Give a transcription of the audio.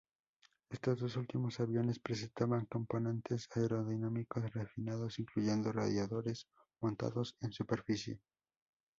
Estos dos últimos aviones presentaban componentes aerodinámicos refinados, incluyendo radiadores montados en superficie.